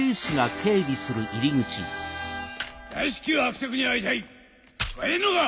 大至急伯爵に会いたい聞こえんのか！